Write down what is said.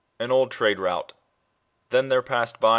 8. AN OLD TRADE ROUTE. " Then there passed by